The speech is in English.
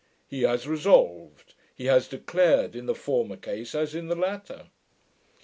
He has resolved, he has declared, in the former case as in the latter.'